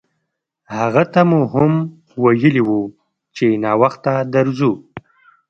هغه ته مو هم ویلي وو چې ناوخته درځو.